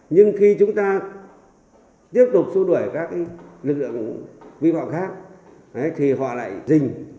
nhưng khi chúng ta tiếp tục xua đuổi các lực lượng vi phạm khác thì họ lại trình